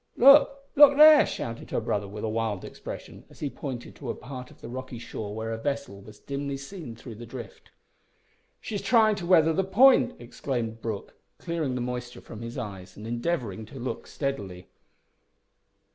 "Look! look there!" shouted her brother with a wild expression, as he pointed to a part of the rocky shore where a vessel was dimly seen through the drift. "She's trying to weather the point," exclaimed Brooke, clearing the moisture from his eyes, and endeavouring to look steadily.